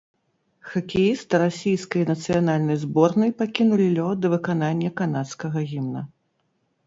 Хакеісты расійскай нацыянальнай зборнай пакінулі лёд да выканання канадскага гімна.